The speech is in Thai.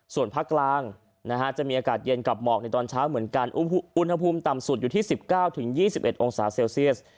ส่วนภาคกลางจะมีอากาศเย็นกับหมอกในตอนเช้าเหมือนกันอุณหภูมิต่ำสุดอยู่ที่๑๙๒๑องศาเซลเซียส